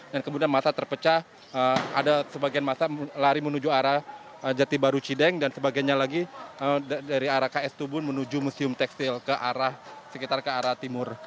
dan kemudian masa terpecah ada sebagian masa lari menuju arah jatibaru cideng dan sebagainya lagi dari arah ks tubun menuju museum tekstil ke arah sekitar ke arah timur